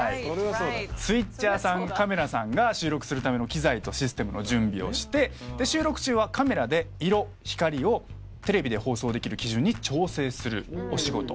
スイッチャーさんカメラさんが収録するための機材とシステムの準備をして収録中はカメラで色光をテレビで放送できる基準に調整するお仕事。